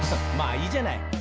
「まあいいじゃない」